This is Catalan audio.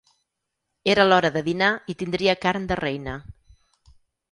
Era l'hora de dinar i tindria carn de reina.